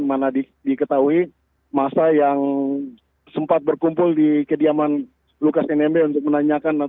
di mana diketahui masa yang sempat berkumpul di kediaman lukas nmb untuk menanyakan